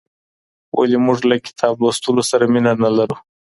ولې موږ له کتاب لوستلو سره مينه نه لرو؟